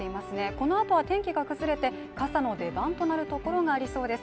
このあとは天気が崩れて傘の出番となるところがありそうです